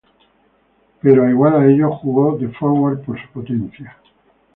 Pero igual a ellos, jugó de forward por su potencia.